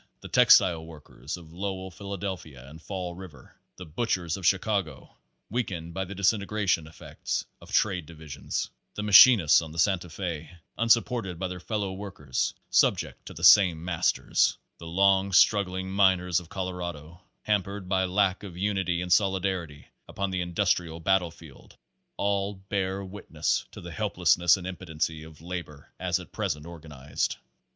The textile workers of Lowell, Phila delphia and Fall River ; the butchers of Chicago, weak ened by the disintegrating effects of trade divisions; the machinists on the Santa Fe, unsupported by their fellow workers subject to the same masters ; the long struggling miners of Colorado, hampered by lack of unity and solidarity upon the industrial battlefield, all bear witness to the helplessness and impotency of labor as at present organized.